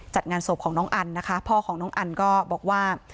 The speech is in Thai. จัดงานศพของน้องอันนะคะพ่อของน้องอันก็บอกว่า